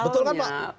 betul kan pak